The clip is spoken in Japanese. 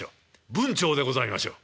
文晁でございましょう」。